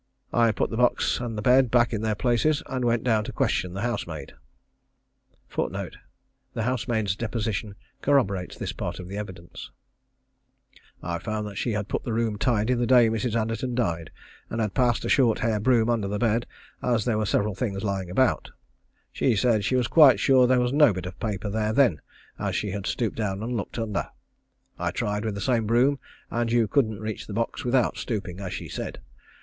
I put the box and the bed back into their places, and went down to question the housemaid. I found that she had put the room tidy the day Mrs. Anderton died, and had passed a short hair broom under the bed as there were several things lying about. She said she was quite sure there was no bit of paper there then, as she had stooped down and looked under. I tried with the same broom, and you couldn't reach the box without stooping, as she said.